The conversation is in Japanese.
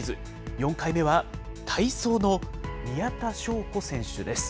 ４回目は体操の宮田笙子選手です。